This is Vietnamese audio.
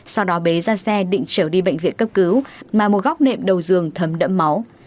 sau đó bế ra xe định trở đi bệnh viện cấp cứu mà một góc nệm đầu giường thấm đẫm máu